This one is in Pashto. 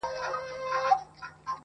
ښه دی چي يې هيچا ته سر تر غاړي ټيټ نه کړ.